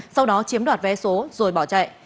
sau đó chiếm đoạt vé số rồi bỏ chạy